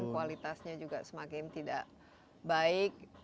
kualitasnya juga semakin tidak baik